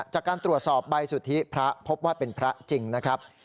จากการตรวจสอบใบสุทธิพระพบว่าเป็นพระจริงนะครับ